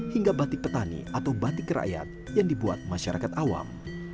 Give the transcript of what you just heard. hingga batik petani atau batik rakyat yang dibuat masyarakat awam